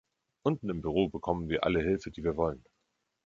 Unten im Büro bekommen wir alle Hilfe, die wir wollen.